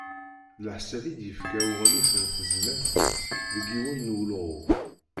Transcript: D leḥsab i d-yefka uɣlif n tezmert, deg yiwen n wulɣu.